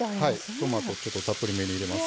トマトちょっとたっぷりめに入れます。